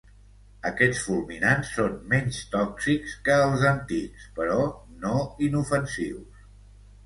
Aquests fulminants són menys tòxics que els antics, però no inofensius.